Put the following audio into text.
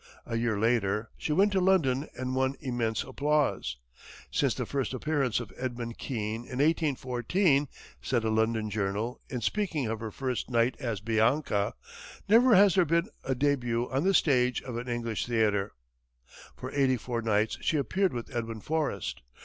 A year later, she went to London and won immense applause. "Since the first appearance of Edmund Keane, in 1814," said a London journal, in speaking of her first night as "Bianca," "never has there been such a début on the stage of an English theatre." For eighty four nights she appeared with Edwin Forrest.